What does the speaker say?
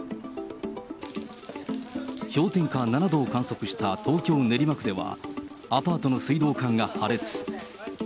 氷点下７度を観測した東京・練馬区では、アパートの水道管が破裂。